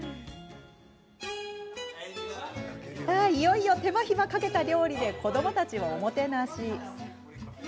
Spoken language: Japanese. いよいよ手間暇かけた料理で子どもたちをおもてなし。